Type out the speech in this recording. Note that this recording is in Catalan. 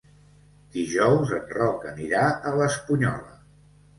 Dijous en Roc anirà a l'Espunyola.